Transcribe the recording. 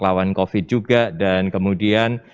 lawan covid juga dan kemudian